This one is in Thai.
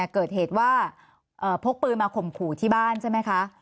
เกิดเหตุว่าพกปืนมาข่มขู่ที่บ้านใช่ไหมคะ